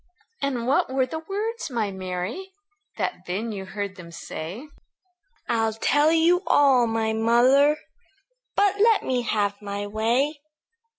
"And what were the words, my Mary, That then you heard them say?" "I'll tell you all, my mother; But let me have my way.